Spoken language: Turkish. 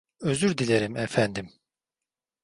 Özür dilerim, efendim.